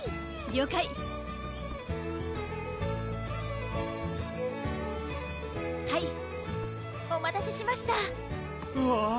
了解はいお待たせしましたうわぁ！